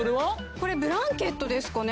これブランケットですかね。